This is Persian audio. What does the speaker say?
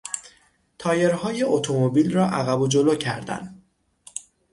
تایرهای اتومبیل را عقب و جلو کردن